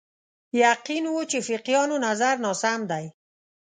یقین و چې فقیهانو نظر ناسم دی